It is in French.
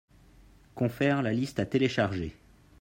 Confer la liste à télécharger.